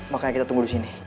makanya kita tunggu di sini